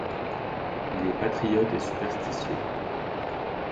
Il est patriote et superstitieux.